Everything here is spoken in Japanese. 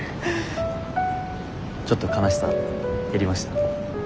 ちょっと悲しさ減りました。